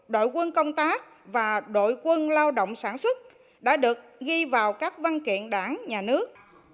đội quân công tác và đội quân lao động sản xuất đã được ghi vào các văn kiện đảng nhà nước